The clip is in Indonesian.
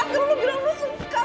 terus lu bilang lu suka